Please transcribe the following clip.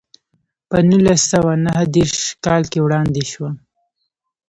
په نولس سوه نهه دېرش کال کې وړاندې شوه.